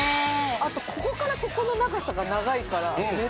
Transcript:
あとここからここの長さが長いから。